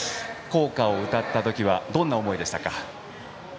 校歌を歌った時はどんな思いでしたか。